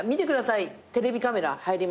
テレビカメラ入りました。